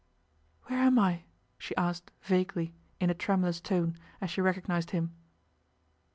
'Where am I?' she asked vaguely, in a tremulous tone as she recognized him.